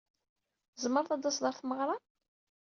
Tzemreḍ ad d-taseḍ ɣer tmeɣṛa?